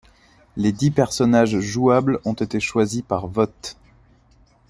Les dix personnages jouables ont été choisies par vote.